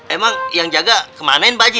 emang yang jaga kemanain pak haji